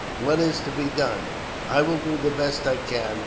What is to be done?" I will do the best I can."